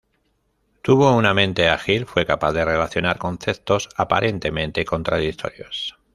Tuvo una mente ágil, fue capaz de relacionar conceptos aparentemente contradictorios.